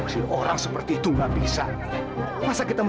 dia peduli sama aku